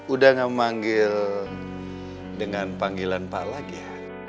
udah gak memanggil dengan panggilan pak lagi ya